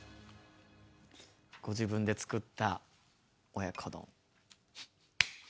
ご自分で作った親子丼。